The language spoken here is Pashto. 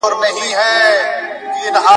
و ګرنه برسر لطفی جفای هردم چیست؟